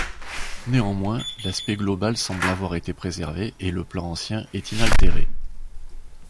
Néanmoins, l’aspect global semble avoir été préservé, et le plan ancien est inaltéré.